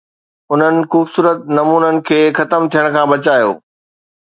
انهن خوبصورت نمونن کي ختم ٿيڻ کان بچايو